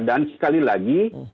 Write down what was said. dan sekali lagi